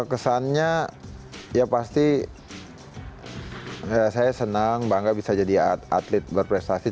kesannya ya pasti saya senang bangga bisa jadi atlet berprestasi